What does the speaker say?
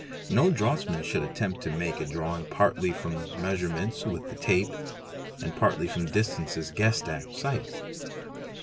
No draughtsman should attempt to make a drawing partly from measurements with the tape and partly from distances guessed at sight.